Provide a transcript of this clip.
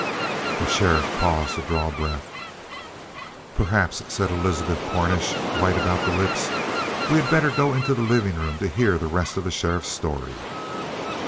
The sheriff paused to draw breath. "Perhaps," said Elizabeth Cornish, white about the lips, "we had better go into the living room to hear the rest of the sheriff's story?"